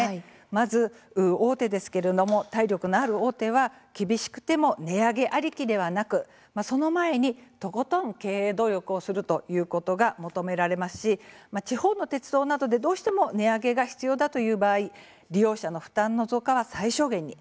まず、大手ですけれども体力のある大手は厳しくても値上げありきではなくその前にとことん経営努力をするということが求められますし地方の鉄道などで、どうしても値上げが必要だという場合利用者の負担の増加は最小限に。